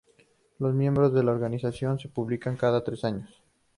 Los miembros de la organización se publican cada tres años.